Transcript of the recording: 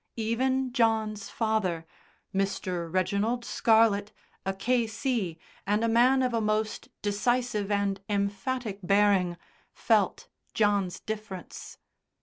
Even John's father, Mr. Reginald Scarlett, a K.C., and a man of a most decisive and emphatic bearing, felt John's difference.